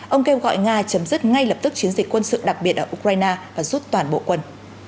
ông kêu gọi nga chấm dứt ngay lập tức chiến dịch quân sự đặc biệt ở ukraine và rút toàn bộ quân